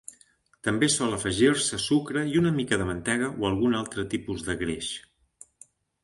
També sol afegir-se sucre i una mica de mantega o algun altre tipus de greix.